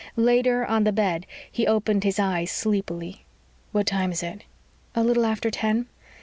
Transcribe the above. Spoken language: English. Later, on the bed, he opened his eyes sleepily. "What time is it?" "A little after ten."